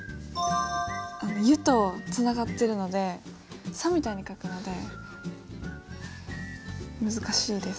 「ゆ」とつながっているので「さ」みたいに書くので難しいです。